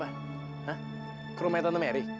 hah ke rumahnya tante meri